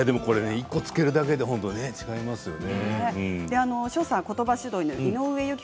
１個つけるだけで違いますね。